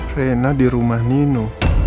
reina di rumah nino